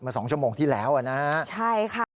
มา๒ชั่วโมงที่แล้วนะใช่ค่ะ